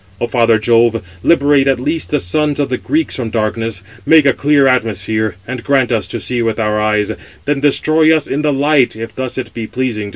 O father Jove, liberate at least the sons of the Greeks from darkness; make a clear atmosphere, and grant us to see with our eyes; then destroy us in the light, 566 if thus it be pleasing to thee."